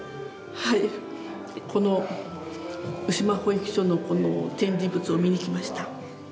この鵜島保育所のこの展示物を見に来ました。